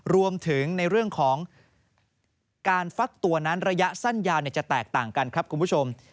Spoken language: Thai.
รวมถึงในเรื่องของการฟักตัวนั้นระยะสั้นยาวจะแตกต่างกันครับคุณผู้ชม